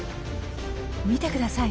見てください。